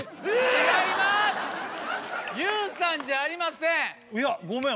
違いまーすＹＯＵさんじゃありませんごめん